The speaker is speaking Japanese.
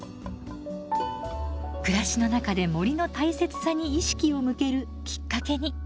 暮らしの中で森の大切さに意識を向けるきっかけに。